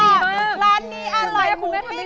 นางรีวิวทั้งเหลว